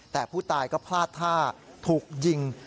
แต่ผู้ตายก็พลาดท่าถูกยิง